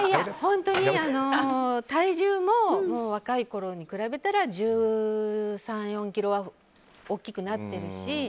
体重も若いころに比べたら１３１４ｋｇは大きくなってるし。